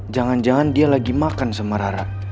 jangan jangan dia lagi makan sama rara